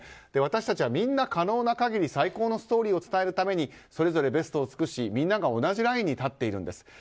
私たちはみんな可能な限り最高のストーリーを伝えるためにそれぞれベストを尽くしみんなが同じラインに立っているんです。